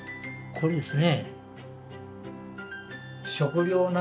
これですね。